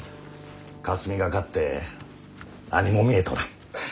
かすみがかって何も見えとらん。